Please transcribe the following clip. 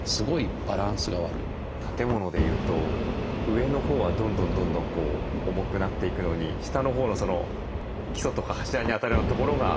建物で言うと上のほうはどんどんどんどん重くなっていくのに下のほうの基礎とか柱にあたるようなところが徐々にもろくなっていくような。